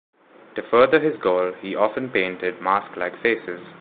To further his goal, he often painted mask-like faces.